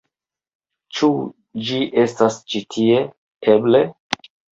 Ĉu ĝi estas ĉi tie? Eble?